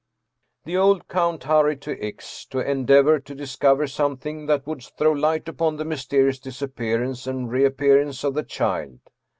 " The old count hurried to X. to endeavor to discover something that would throw light upon the mysterious dis appearance and reappearance of the child.